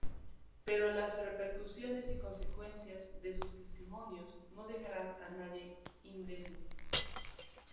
Pero las repercusiones y consecuencias de sus testimonios no dejarán a nadie indemne.